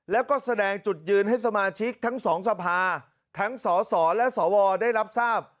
แล้วก็แสดงจุดยืนให้สมาชิกทั้งสองสภาทั้งสสและสวได้รับทราบ